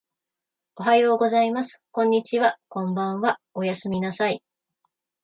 おはようございます。こんにちは。こんばんは。おやすみなさい。